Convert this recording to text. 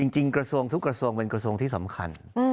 กระทรวงทุกกระทรวงเป็นกระทรวงที่สำคัญ